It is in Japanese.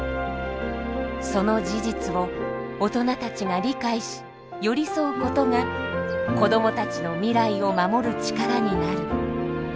その事実を大人たちが理解し寄り添う事が子どもたちの未来を守る力になる。